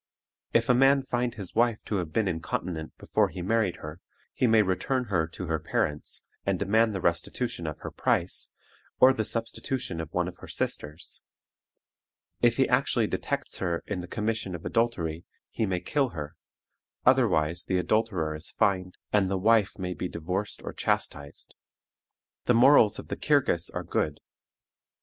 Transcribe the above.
If a man find his wife to have been incontinent before he married her, he may return her to her parents, and demand the restitution of her price, or the substitution of one of her sisters. If he actually detects her in the commission of adultery, he may kill her, otherwise the adulterer is fined, and the wife may be divorced or chastised. The morals of the Kirghiz are good.